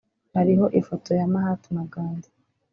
hariho ifoto ya Mahatma Ghandi